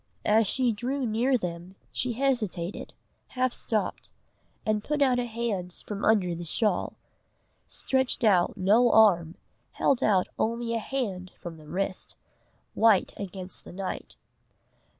As she drew near them, she hesitated, half stopped, and put out a hand from under the shawl stretched out no arm, held out only a hand from the wrist, white against the night.